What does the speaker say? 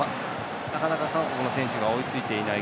なかなか、韓国の選手が追いついていない。